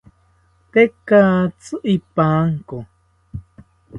Tekatzi ipanko